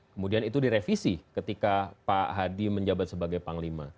kemudian itu direvisi ketika pak hadi menjabat sebagai panglima